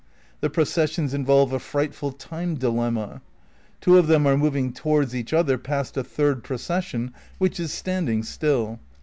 The processions involve a fright ful time dilemma. Two of them are moving towards each other past a third procession which is standing still.